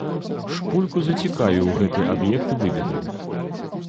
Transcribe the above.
Шпульку зацікавіў гэты аб'ект выведаў.